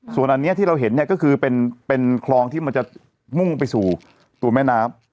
ส่วนอันนี้ที่เราเห็นเนี่ยก็คือเป็นคลองที่มันจะมุ่งไปสู่ตัวแม่น้ำ